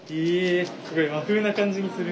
すごい和風な感じにする？